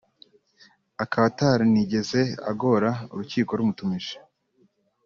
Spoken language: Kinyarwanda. akaba ataranigeze agora urukiko rumutumije